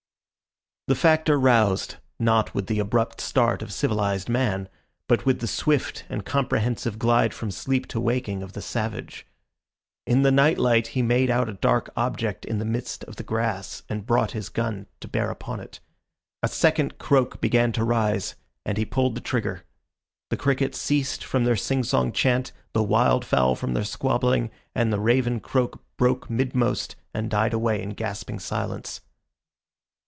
The Factor roused, not with the abrupt start of civilized man, but with the swift and comprehensive glide from sleep to waking of the savage. In the night light he made out a dark object in the midst of the grass and brought his gun to bear upon it. A second croak began to rise, and he pulled the trigger. The crickets ceased from their sing song chant, the wildfowl from their squabbling, and the raven croak broke midmost and died away in gasping silence.